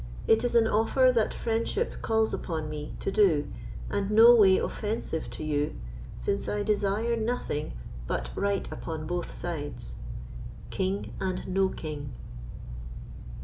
It is an offer that friendship calls upon me to do, and no way offensive to you, since I desire nothing but right upon both sides. King and no King.